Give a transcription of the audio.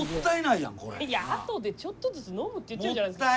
いや後でちょっとずつ飲むって言ってるじゃないですか。